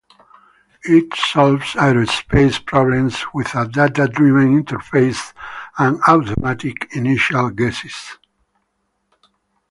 It solves Aerospace problems with a data driven interface and automatic initial guesses.